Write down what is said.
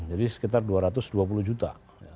jadi sekitar dua ratus dua puluh juta